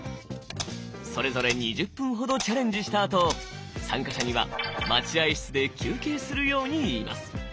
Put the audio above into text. それぞれ２０分ほどチャレンジしたあと参加者には待合室で休憩するように言います。